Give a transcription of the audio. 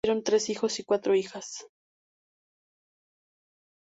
Tuvieron tres hijos y cuatro hijas.